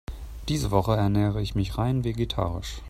Diese Woche ernähre ich mich rein vegetarisch.